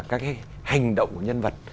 các cái hành động của nhân vật